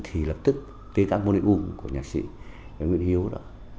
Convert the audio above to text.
thì lập tức tới các môn hữu của nhạc sĩ nguyễn hữu đó